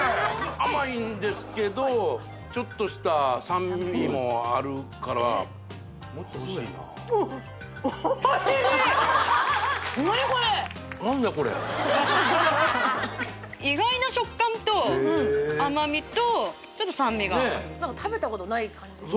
甘いんですけどちょっとした酸味もあるからもっと欲しいな意外な食感と甘味とちょっと酸味が何か食べたことない感じです